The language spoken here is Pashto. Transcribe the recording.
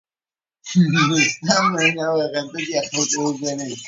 مراد به له دردونو سره لوبېدلی و.